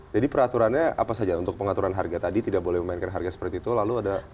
peraturannya apa saja untuk pengaturan harga tadi tidak boleh memainkan harga seperti itu lalu ada